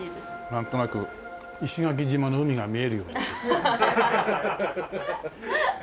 なんとなく石垣島の海が見えるような。